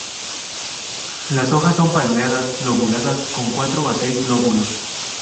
Las hojas son palmeadas lobuladas con cuatro a seis lóbulos.